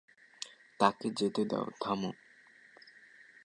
তাকে যেতে দাও থামো!